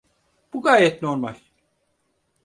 Bu gayet normal.